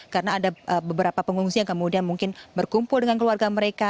karena ada beberapa pengungsi yang kemudian mungkin berkumpul dengan keluarga mereka